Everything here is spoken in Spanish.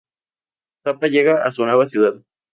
Zapa llega a su nueva ciudad.